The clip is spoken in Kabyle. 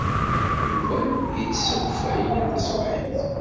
Yuba ittess akeffay yal taṣebḥit.